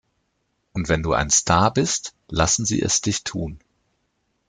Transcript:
Und wenn du ein Star bist, lassen sie es dich tun.